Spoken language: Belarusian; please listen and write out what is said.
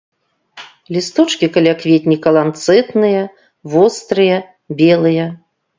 Лісточкі калякветніка ланцэтныя, вострыя, белыя.